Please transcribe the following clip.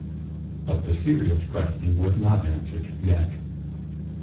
But the serious question was not answered yet.